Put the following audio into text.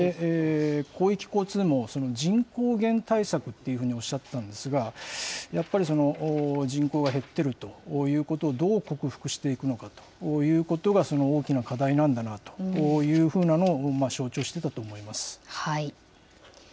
広域交通網、人口減対策っていうふうにおっしゃってたんですが、やっぱり、人口が減ってるということをどう克服していくのかということが、大きな課題なんだなというふうなのを象徴していたと思います。